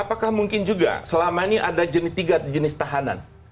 apakah mungkin juga selama ini ada tiga jenis tahanan